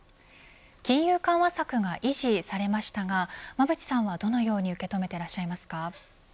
金融緩和策が維持されましたが馬渕さんはどのように受け止めていらっしゃいますか。